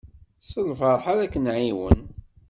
S lferḥ ara k-nɛiwen.